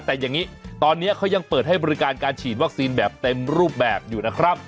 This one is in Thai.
แต่อย่างนี้ตอนนี้เขายังเปิดให้บริการการฉีดวัคซีนแบบเต็มรูปแบบอยู่นะครับ